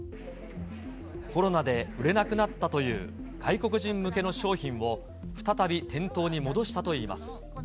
コロナで売れなくなったという外国人向けの商品を再び店頭に戻したといいます。